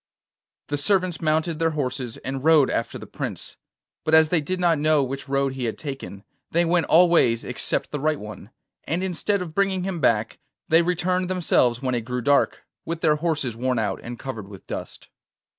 The servants mounted their horses and rode after the Prince; but as they did not know which road he had taken, they went all ways except the right one, and instead of bringing him back they returned themselves when it grew dark, with their horses worn out and covered with dust.